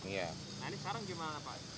nah ini sekarang gimana pak